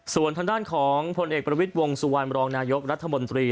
ส่วนทางด้านของผลเอกประวิทย์วงสุวรรณรองนายกรัฐมนตรี